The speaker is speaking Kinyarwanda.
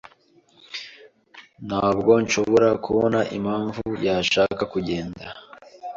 Ntabwo nshobora kubona impamvu yashaka kugenda.